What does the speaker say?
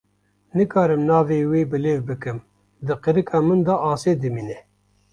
Nikarim navê wê bilêv bikim, di qirika min de asê dimîne.